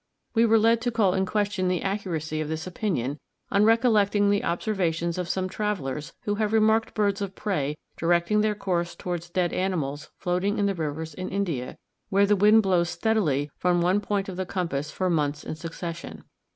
We were led to call in question the accuracy of this opinion, on recollecting the observations of some travelers, who have remarked birds of prey directing their course towards dead animals floating in the rivers in India, where the wind blows steadily from one point of the compass for months in succession.